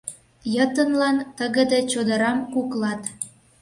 Йытынлан тыгыде чодырам куклат.